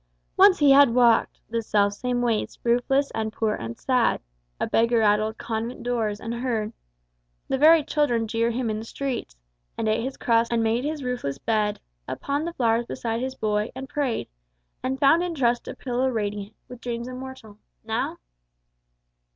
Once he had walked The self same ways, roofless and poor and sad, A beggar at old convent doors, and heard The very children jeer him in the streets, And ate his crust and made his roofless bed Upon the flowers beside his boy, and prayed, And found in trust a pillow radiant With dreams immortal. Now?